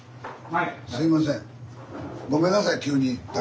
はいすいません。